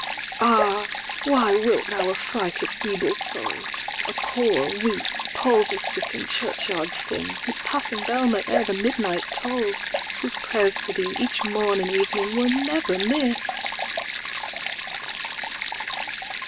XVIII."Ah! why wilt thou affright a feeble soul?"A poor, weak, palsy stricken, churchyard thing,"Whose passing bell may ere the midnight toll;"Whose prayers for thee, each morn and evening,"Were never miss'd."